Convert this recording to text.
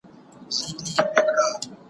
پر پاچا باندي د سر تر سترگو گران وه